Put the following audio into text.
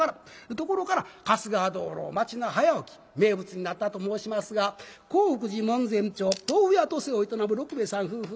ところから「春日灯籠町の早起き」名物になったと申しますが興福寺門前町豆腐屋渡世を営む六兵衛さん夫婦。